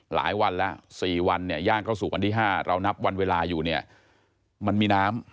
หลายวันแล้ว๔วันเนี่ยย่างเข้าสู่วันที่๕เรานับวันเวลาอยู่เนี่ยมันมีน้ำ